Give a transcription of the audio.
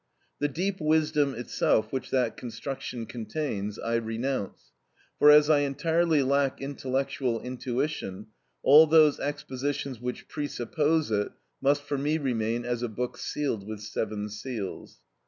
The deep wisdom itself which that construction contains, I renounce; for as I entirely lack "intellectual intuition," all those expositions which presuppose it must for me remain as a book sealed with seven seals.